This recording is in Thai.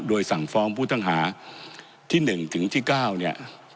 โดยสั่งฟ้องผู้ต้องหาที่๑ถึงที่๙เนี่ย